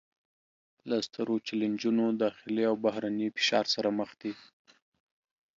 له سترو چلینجونو داخلي او بهرني فشار سره مخ دي